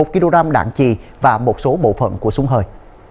một kg đạn trì và một số bộ phận của súng hơi